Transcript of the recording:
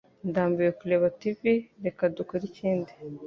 Ndambiwe kureba TV. Reka dukore ikindi.